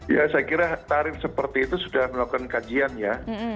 ya saya kira tarif seperti itu sudah melakukan kajian ya